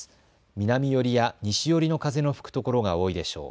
南寄りや西寄りの風の吹くところが多いでしょう。